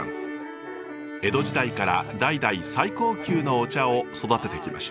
江戸時代から代々最高級のお茶を育ててきました。